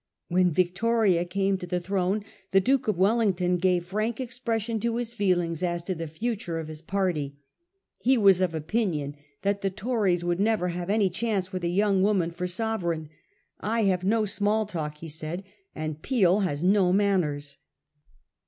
When Victoria came to the throne the Duke of Wellington gave frank expression to his feelings as to the future of his party. He was of opinion that the Tories would never have any chance with a young woman for sovereign. ' I have no small talk,' he said, c and Peel has no manners.